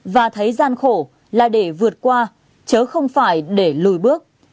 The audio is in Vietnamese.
và thấy gian khổ là để vượt qua chứ không phải để lùi bước